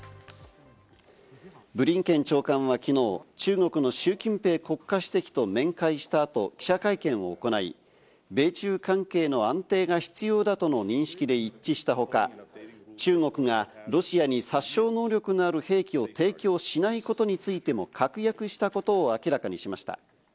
ブリンケン長官はきのう、中国のシュウ・キンペイ国家主席と面会した後、記者会見を行い、米中関係の安定が必要だとの認識で一致した他、中国がロシアに殺傷能力のある兵器を提供しないことについても確約したことを明らかにしました。